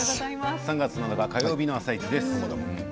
３月７日火曜日の「あさイチ」です。